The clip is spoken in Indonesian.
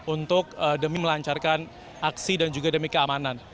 untuk demi melancarkan aksi dan juga demi keamanan